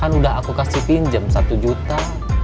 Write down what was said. kan udah aku kasih pinjam satu juta